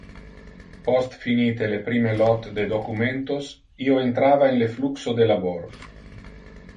Post finite le prime lot de documentos, io entrava in le fluxo de labor.